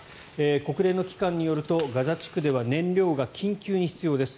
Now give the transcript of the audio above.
国連の機関によるとガザ地区では燃料が緊急に必要です。